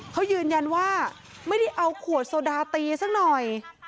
เขายืนยันว่าไม่ได้เอาขวดโซดาตีสักหน่อย